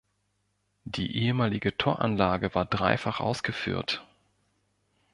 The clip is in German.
Die ehemalige Toranlage war dreifach ausgeführt.